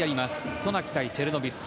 渡名喜対チェルノビスキ。